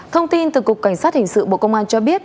thông tin từ cục cảnh sát hình sự bộ công an cho biết